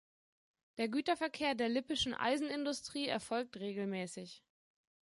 Der Güterverkehr der Lippischen Eisenindustrie erfolgt regelmäßig.